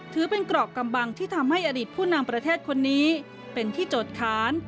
ถือเป็นกรอบกำบังที่ทำให้อดีตผู้นำประเทศคนนี้เป็นที่จดค้าน